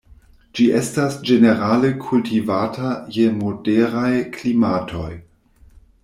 Ĝi estas ĝenerale kultivata je moderaj klimatoj.